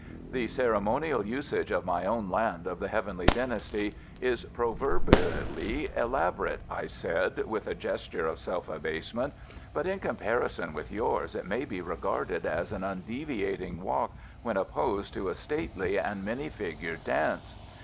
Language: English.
"The ceremonial usage of my own land of the Heavenly Dynasty is proverbially elaborate," I said, with a gesture of self abasement, "but in comparison with yours it may be regarded as an undeviating walk when opposed to a stately and many figured dance.